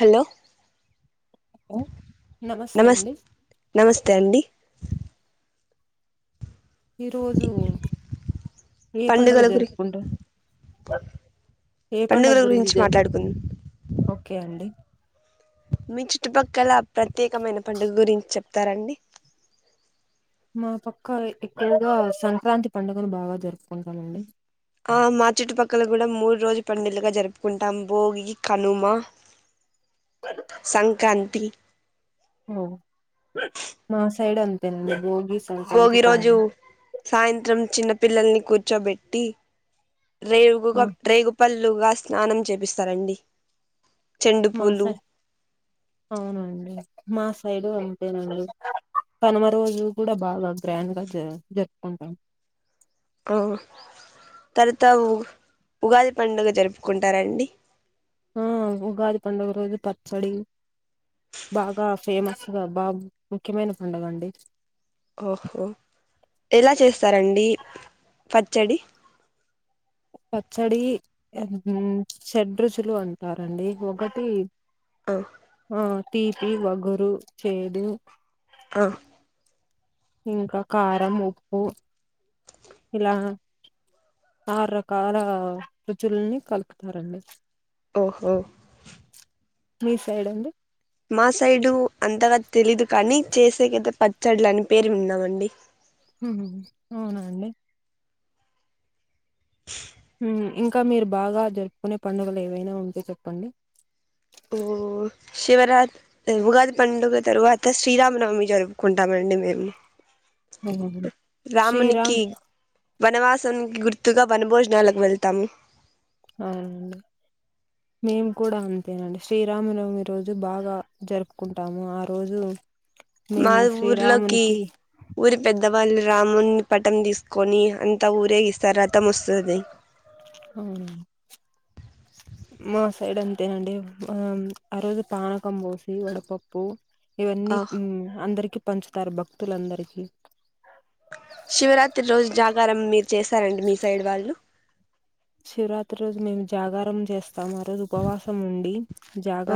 Hello అ నమస్తే నమస్తే అండీ ఈరోజు ఏ పండుగ పండుగల గురి జరుపుకుంటారు ఏ పండుగ పండుగల గురించి జరుగు మాట్లాడుకుందాం ఓకే అండీ మీ చుట్టుపక్కల ప్రత్యేకమైన పండుగ గురించి చెప్తారండి మా పక్కా ఎక్కువగా సంక్రాంతి పండుగను బాగా జరుపుకుంటారండి పండులుగా జరుపుకుంటాం భోగి కనుమ సంక్రాం తి ఓ మా సైడ్ అంతేండి బో భోగి రోజు సాయంత్రం చిన్న పిల్లల్ని కూర్చోబెట్టీ రేగు ఆ రేగుపల్ లుగా స్నానం చెపిస్తారండి మాస అవునండి మాస సైడు ఉంటేనండి కనుమ రోజు కూడా బాగా గ్రాండ్ గా జ జరుపుకుంటాం అవును తర్వాత ఉ ఉగాది పండుగ జరుపుకుంటారాండి హ్మ్మ్ ఆ ఉగాది పండుగ రోజు పచ్చడి బాగా ఫేమస్గా బా ముఖ్యమైన పండుగ అండి. ఓహో ఎలా చేస్తారండి పచ్చడి పచ్చడి హ్మ్మ్ చెడ్రుచులు అంటారండి ఒకటి ఆ ఆ తీపి వగురు చేదు ఆ ఇంకా కారం ఉప్పు ఇలా ఆరు రకాల రుచుల్ని కలుపుతారండి. ఓహో మీ సైడ్ అండి మా సైడు అంతగా తెలీదు కానీ చేసేకతే పచ్చడులని పేరు విన్నామండి. హ్మ్మ్ అవునండి [unintelligible] మ్మ్ ఇంకా మీరు బాగా జరుపుకునే పండుగలు ఏవైనా ఉంటే చెప్పండి ఓ శివరాత్ర ఉగాది పండుగ తరువాత శ్రీరామనవమి జరుపుకుంటామండి మేము. హ్మ్మ్ శ్రీరామ్ వనవాసంనికి గుర్తుగా వన భోజనాలకు వెళ్తాము అవునండి మేము కూడా అంతేనండి శ్రీరామనవమి రోజు బాగా జరుపుకుంటాము ఆ రోజు మా మేము ఊర్లోకి శ్రీరామునికి ఊరి పెద్ద పెద్దవాళ్ళు రాముని పటం తీసుకొని అంతా ఊరేగిస్తారు రథం వస్తది అవును మా సైడ్ అంతే అండి మ్మ్ ఆ రోజు పానకం పోసి వడపప్పు ఆ ఇవన్నీ మ్మ్ అందరికి పంచుతారు భక్తులందరికీ గరమ్ మీరు చేస్తారండి మీ సైడ్ వాళ్ళు శివరాత్రి రోజు మేము జాగారం చేస్ స్తాం రోజు ఉపవాసం ఉండి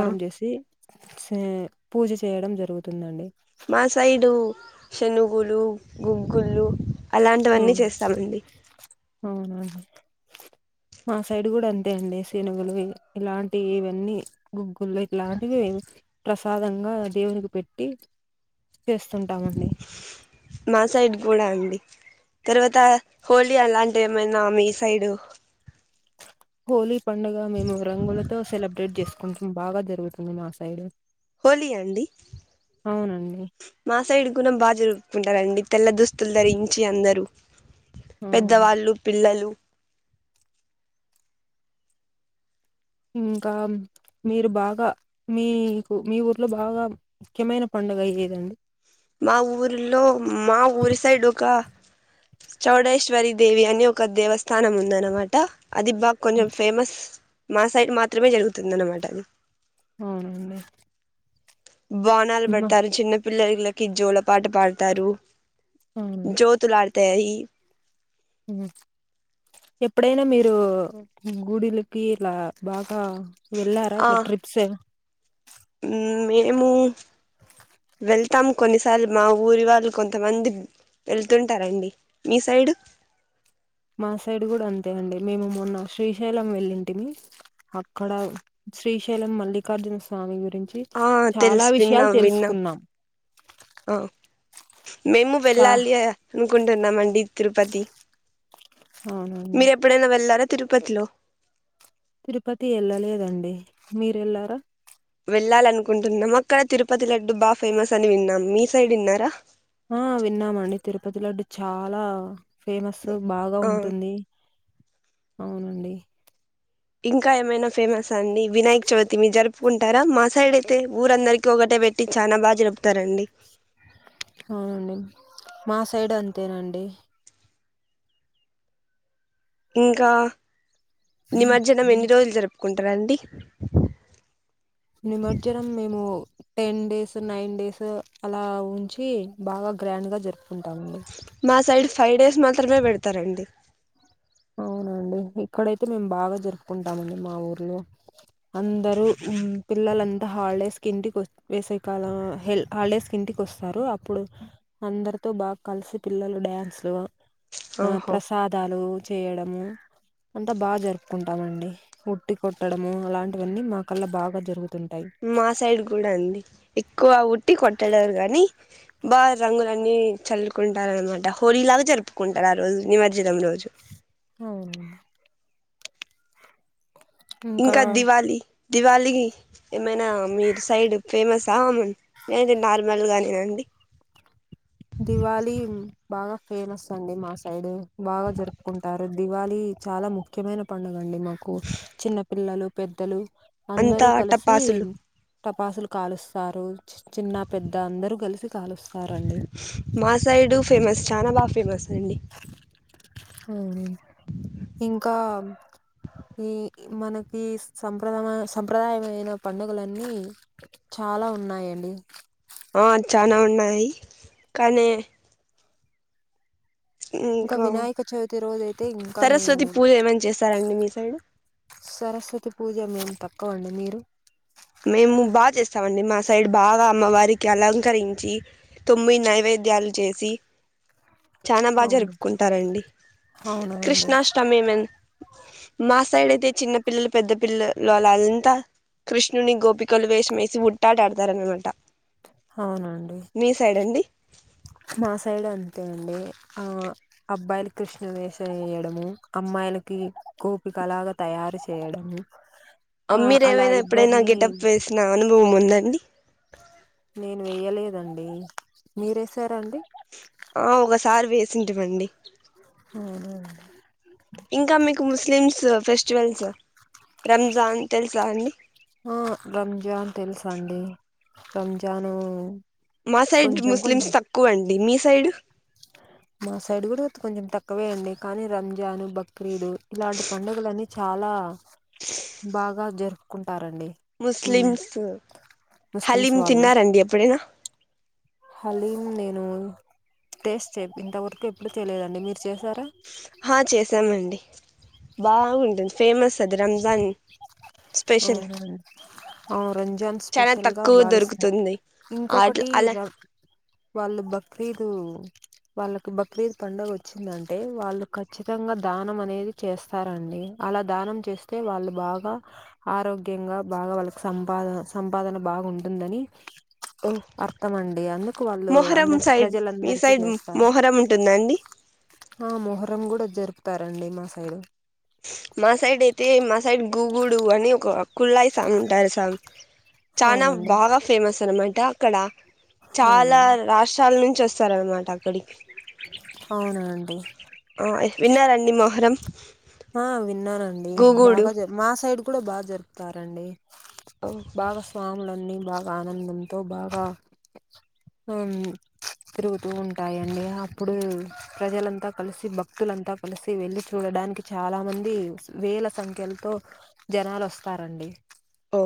ఆ చేసి స్ పూజ చేయడం జరుగుతుందండి మా సైడు శనుగులు గుగ్గుళ్ళు అలాంటివన్నీ చేస్తామండి అవునండి మా సైడ్ కూడా అంతే అండి శనుగులు ఇలాంటి ఇవన్నీ గుగు ఫుల్ ఇట్లాంటివే ప్రసాదంగా దేవునికి పెట్టి చేస్తుంటామండి మా సైడ్ కూడా అండి తర్వాత హోలీ అలాంటివి ఏమైనా మీ సైడు హోలీ పండుగ మేము రంగులతో సెలబ్రేట్ చేస్ కొంచెం బాగా జరుగుతుంది. మా సైడ్ హోలి ఆ అండి అవునండి మా సైడ్ గుణం బా జరుపుకుంటారండీ. తెల్ల దుస్తులు ధరించి అందరు. అవునండి పెద్దవాళ్ళు పిల్లలు. ఇంకా మీరు బాగా మీకు మీ ఊర్లో బాగా ముఖ్యమైన పండగ ఏదండీ. మా ఊర్లో. మా ఊరి సైడ్ ఒక. చౌడేశ్వరి దేవి అని ఒక దేవస్థానం ఉందనమాట. అది బా కొంచెం ఫేమస్. మా సైడ్ మాత్రమే జరుగుతుంది అనమాట అది. అవునా అండి బోనాలు బేడతారు చిన్న. పిల్లల్లకి జోల పాట పాడతారు. అవును జ్యోతులా తాయి. ఎప్పుడైనా మీరు గుడిలకి ఇలా బాగా. ఆ వెళ్ళారా ఆ అట్ల ట్రిప్స్. మేము వెళ్తాము కొన్నిసార్లు మా ఊరి వాళ్ళు కొంతమంది వెళ్తుంటారండి మీ సైడు. మా సైడ్ కూడా అంతే అండి మేము మొన్న శ్రీశైలం వెళ్ళింటిమి అక్కడ శ్రీశైలం మల్లికార్జున స్వామి గురించి ఆ చాలా తెలుసు విషయాలు విన్నాం విన్నాం తెలుసుకున్నాం ఆ మేము చా వెళ్ళాలి అనుకుంటున్నామండి. తిరుపతి. అవునండి మీరు ఎప్పుడైనా వెళ్ళారా తిరుపతిలో తిరుపతి ఎళ్ళలేదండి మీరు ఎళ్లారా వెళ్ళాలినుకుంటున్నాం అక్కడ తిరుపతి లడ్డు బా ఫేమస్ అని విన్నాము మీ సైడ్ విన్నారా. ఆ విన్నామండి తిరుపతి లడ్డు చాలా. ఫేమస్ బాగా ఆ ఉం. అవునండి. ఇంకా ఏమైనా ఫేమస్ అండి వినాయక చవితి మీ జరుపుకుంటారా మా సైడ్ అయితే ఊరందరికి ఒకటే పెట్టి చాన బాగా జరుపుతారండి. అవునండి మా సైడ్ అంతేనండి. ఇంకా. నిమజ్జనం ఎన్ని రోజులు. కుంటారండి. నిమజ్జనం మేము. టెన్ డేస్ నైన్ డేస్ అలా ఉంచి బాగా గ్రాండ్ గా. ఉంటమండి. మా సైడ్ ఫైవ్ డేస్ మాత్రమే పెడతారండి. అవునండి ఇక్కడైతే మేము బాగా జరుపుకుంటామండి మా ఊర్లో. అందరూ మ్ పిల్లల. అ హాలిడేస్ కి ఇంటికి వేసేకాలం హాలిడేస్ కి ఇంటికి వస్తారు అప్పుడు అందరితో బాగా కలిసి పిల్లలు డ్యాన్స్లు ఆ ఓహో ప్రసాదాలు చేయడము అంతా బాగా జరుపుకుంటామండి ఉట్టి కొట్టడము అలాంటివన్నీ మాకల్ల బాగా జరుగుత మా సైడ్ కూడా అండి ఎక్కువ ఉట్టి కొట్టడారు కా గాని బాగా రంగులన్ని చల్లుకుంటారు అనమాట హోలీ లాగా జరుపుకుంటారు ఆ రోజు నిమజ్జనం రోజు అవును ఇంకా దివాళి దివాళికి ఏమైనా మీ సైడ్ ఫేమస్స నేనైతె నార్మల్ గానేనండి దివాలి బాగా ఫేమస్ అండి మా సైడ్ బాగా జరుపుకుంటారు దివాళి చాలా ముఖ్యమైన పండుగ అండి మాకు చిన్న పిల్లలు పెద్దలు అంతా అందరూ కలిసి టపాసులు తపాసులు కాలుస్తారు చిన్న పెద్ద అందరు కలిసి కలుస్తారండి మా సైడు ఫేమస్ చాలా బాగ ఫేమస్ అండి అవు ఇంకా ఈ మనకి సంప్రదామ సంప్రదాయమైన పండుగలన్నీ చాలా ఉన్నాయండి ఆ చానా ఉన్నాయి కానీ ఇంకా వినాయక చవితి రోజ అయితే ఇంకా సరస్వతి మేము పూజ ఏమైనా చేస్తారండి మీ సైడ్ సరస్వతి పూజ మేం తప్ప అండి మీరు మేము బాగా చేస్తామండి మా సైడ్ బాగా అమ్మవారికి అలంకరించి తొమ్మి నైవేద్యాలు చేసి చాన బాగా అవును జరుపుకుంటారండి అవునా అండి కృష్ణాష్టమి ఏమైన మా సైడ్ అయితే చిన్న పిల్లలు పెద్ద పిల్లలుళ అదంత కృష్ణ విష్ణుని గోపికలు వేషం వేసి ఉుట్టాట ఆడతారన్నమాట అవునండి మా సైడ్ అంతే అండి ఆ అబ్బాయిల్ కృష్ణ వేషం వేయడము, అమ్మాయిలకి గోపిక లాగ తయారు చేయడము ఆ అమ్మిర అలా ఏవైనా ఎప్పుడైనా ఇద్దరిని గెటప్ వేసినా అనుభవం ఉద్ దండి నేను వెేయలేదండి, మీరెసార అండి? ఆ ఒకసారి వేసింటిమండి అవునండి ఇంకా మీకు ముస్లిమ్స్ ఫెస్టివల్స్ రంజాన్ తెలుసా అండి ఆ రంజాన్ టేల్స్ అండి. రంజాను మా సైడ్ కొంచెం కొంచెం ముస్లిమ్స్ తక్కువ అన్ మీ సైడు మా సైడ్ కూడా కొంచెం తక్కువే అండి కాని రంజాన్ బక్రీదు ఇలాంటి పండుగలన్ని చాలా బాగా జరుప్ కుంటారు ముస్లిమ్స్ ముస్లిమ్స్ హలీమ్ వాళ్ళు తిన్నారండి ఎప్పుడైనా హలీం నేను టేస్ట్ చెరాలేదు ఇంతవరకు ఎప్పుడు చేయలేదండి మీరు చేశారా ఆ చేసామండి బాగుంటుంది ఫేమస్ అది రంజాన్ స్పెషల్ అవున అవును రంజాన్ చాలా స్పెషల్ గా తక్కువ భావిస్తారు దొరుకుతుంది అట్లా ఇంకొకటి అలా ర వాళ్ళు బక్రీదు వాళ్ళకి బక్రీద్ పడుగ వచ్చిందంటే వాళ్ళు ఖచ్చితంగా దానం అనేది చేస్తారండి అలా దానం చేస్త అతే వాళ్ళు బాగా ఆరోగ్యంగా బాగా వాళ్ళకి సంపాద సంపాదన బాగా ఉంటుందని ఓ అర్థం అండి అందుకు వాళ్ళు మొహరం అందరికి సైడ్ మీ ప్రజలందరికి సైడ్ చేస్తారు మొహరం ఉంటుందండి ఆ మొహరం కూడా జరుపు తరండి మా సైడ్ మా సైడ్ అయితే మా సైడ్ గుగుడు అని ఒక కుళ్లయి సాంగ్ంటర్ సంగ్ చానా అవునండి బాగా ఫేమస్ సలం అంటే అక్కడ చాలా అవునండి రాష్ట్రాల నుంచి చ్చ చేస్తారనమాట అక్కడికి అవునండి విన్న రండి మోహరం ఆ విన్ననండి బాగా జ మా సైడ్ కూడా బాగా జరిపూ చెప్తారండి ఓ బాగా స్వాములను బాగా ఆనందంతో బాగా ఆ తిరుగుతూ ఉంటాయండి అప్పుడు ప్రజలంతా కలిసి భక్తులంతా కలిసి వెళ్లి చూడడానికి చాలా మంది వేల సంఖ్యలతో జనాలు వస్తారండి ఓ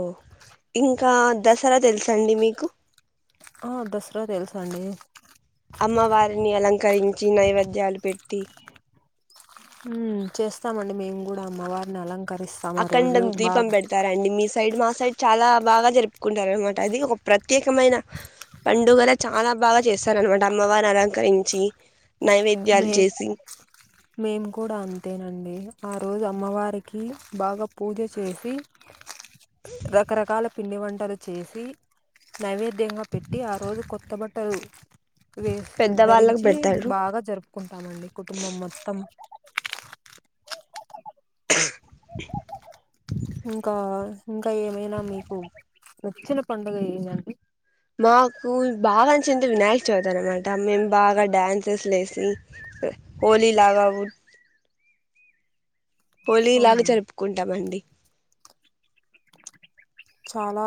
ఇంకా దసరా తెలుస అండి మీకు ఆ దసరా తెలుసు అండి అమ్మవారిని అలంకరించి నైవేద్యాలు పెట్టి చేస్తామండి మేము కూడా అమ్మవారిని అలంకర అఖండం దీపం పెడతారండి మీ సైడ్ మా సైడ్ చాలా బాగా జరుపుకుంటారు అనమాట అది ఒక ప్రత్యేకమైన పండుగల చాలా బాగా చేస్తారు అనమాట అమ్మవారిని అలంకరించి నైవేద్యాలు మే చేసి మేము కూడా అంతేనండి ఆ రోజు అమ్మవారికి బాగా పూజ చేసి రకరకాల పిండి వంటలు చేసి నైవేద ధ్యాంగ పెట్టి ఆ రోజు కొత్త బట్టలు వే పెద్దవాళ్ళకు ధరించి పెడతారు బాగా కుంటామండి కుటుంబం మొత్తం ఇంకా ఇంకా ఏమైనా మీకు నచ్చిన పండుగ ఏందండి? నాకు బానచ్చింది వినాయక చవితి అనమాట మేము బాగా డ్యాన్సెస్ లేసి హోలీ లాగా ఉట్ హోలీ లాగా అవునా జరుపుకుంటామండి. చాలా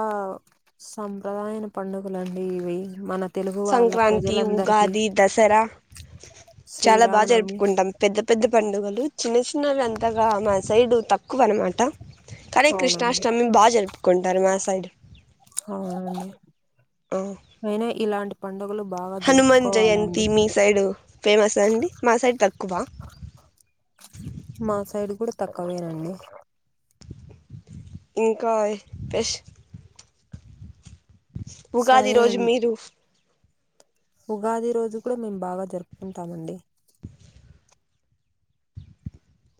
సంప్రదాయన పండుగలండి ఇవి మనక్ సంక్రాంతి ఉగాది దసరా చాలా బాగా శ్రీరామనవమి జరుపుకుంటాం. పెద్ద పెద్ద పండుగలు చిన్న చిన్నవి అన్ తగా మా సైడు తక్కువ అనమాట కానీ అవునండి కృష్ణాష్టమి బాగా జరుపుకుంటారు మా సైడ్. అవునండి ఆ, అయినా ఇలాంటి పడుగలు హనుమాన్ జయంతి మీ సైడు ఫేమస్ ఆ అండి మా సైడ్ తక్కువ మా సైడ్ కూడా తక్కువేనండి ఇంకాయ్ ఫ్రెష్ ఉగాది సరే రోజు అండి మీరు ఉగాది రోజు కూడా మేము బాగా జరుపుకుంటామండి.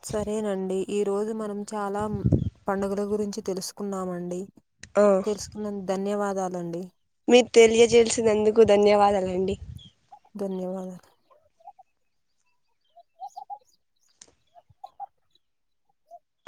సరేనండి ఈ రోజు మనం చాలా పండుగల గురించి తెలుసుకున్నామండి. తెలుసుకన్ ధన్యవాద్ దాలండి మీర్ తెలియజేల్సినందుకు ధన్యవాదాలండి ధన్యవాదాలు